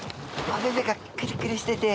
おめめがクリクリしてて。